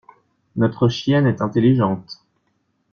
Notre chienne est intelligente.